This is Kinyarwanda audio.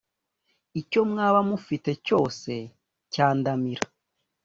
Icyo mwaba mufite cyose cyandamira